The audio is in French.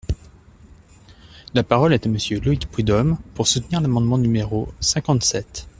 La parole est à Monsieur Loïc Prud’homme, pour soutenir l’amendement numéro cinquante-sept.